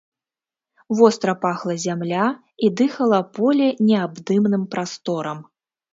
Востра пахла зямля, і дыхала поле неабдымным прасторам.